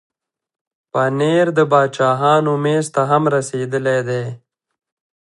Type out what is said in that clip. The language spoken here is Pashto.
پنېر د باچاهانو مېز ته هم رسېدلی دی.